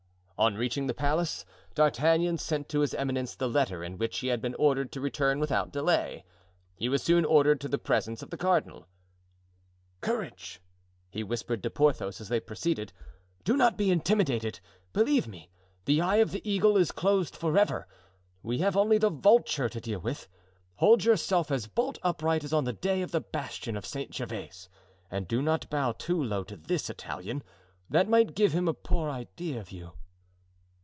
On reaching the palace, D'Artagnan sent to his eminence the letter in which he had been ordered to return without delay. He was soon ordered to the presence of the cardinal. "Courage!" he whispered to Porthos, as they proceeded. "Do not be intimidated. Believe me, the eye of the eagle is closed forever. We have only the vulture to deal with. Hold yourself as bolt upright as on the day of the bastion of St. Gervais, and do not bow too low to this Italian; that might give him a poor idea of you."